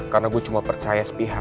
karena gue cuma percaya sepihak